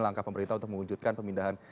langkah pemerintah untuk mewujudkan pemindahan